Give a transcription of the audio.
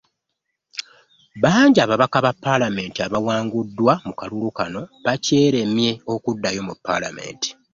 Bangi ku babaka ba palamenti abawanguddwa mu kalulu kano bakyeremye okuddayo mu palamenti